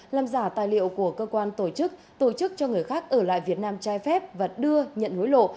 làm giả tài liệu của cơ quan tổ chức tổ chức cho người khác ở lại việt nam trai phép và đưa nhận hối lộ